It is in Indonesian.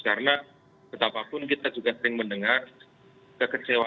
karena betapapun kita juga sering mendengar kekecewaan